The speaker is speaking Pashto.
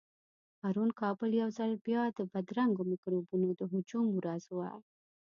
پرون کابل يو ځل بيا د بدرنګو مکروبونو د هجوم ورځ وه.